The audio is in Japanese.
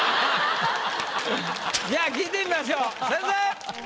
じゃあ聞いてみましょう先生！